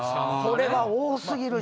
これは多過ぎるし。